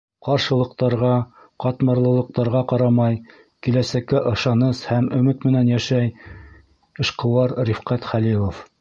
Ҡаршылыҡтарға, ҡатмарлылыҡтарға ҡарамай, киләсәккә ышаныс һәм өмөт менән йәшәй эшҡыуар Рифҡәт Хәлилов.